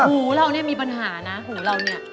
หูเราเนี่ยมีปัญหานะหูเราเนี่ย